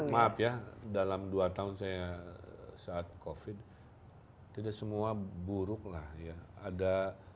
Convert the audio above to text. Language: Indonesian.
maaf ya dalam dua tahun saya saat covid tidak semua buruk lah ya ada